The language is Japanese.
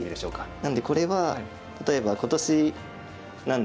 なのでこれは例えば今年何でしょう。